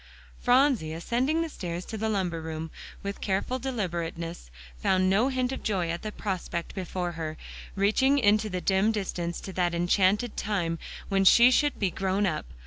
Phronsie, ascending the stairs to the lumber room, with careful deliberateness, found no hint of joy at the prospect before her, reaching into the dim distance to that enchanted time when she should be grown up.